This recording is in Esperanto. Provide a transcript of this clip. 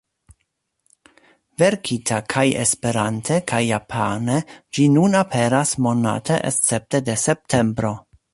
Verkita kaj Esperante kaj Japane ĝi nun aperas monate escepte de septembro.